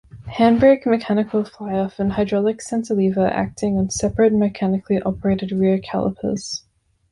Handbrake, mechanical fly-off and hydraulic centre lever acting on separate, mechanically operated rear calipers.